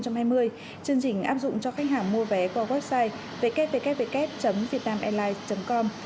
chương trình áp dụng cho khách hàng mua vé qua website www vietnamairlines com